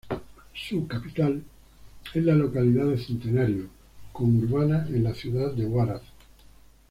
Su capital es la localidad de Centenario conurbada en la ciudad de Huaraz.